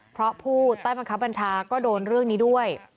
เพราะผู้ใต้บังคับบัญชาก็โดนเรื่องนี้ด้วย